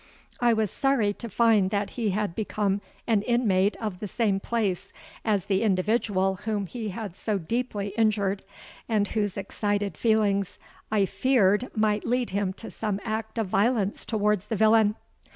I was sorry to find that he had become an inmate of the same place as the individual whom he had so deeply injured, and whose excited feelings I feared might lead him to some act of violence towards the villain.